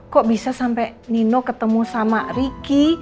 kok bisa sampai nino ketemu sama ricky